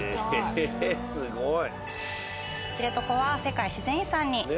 すごい！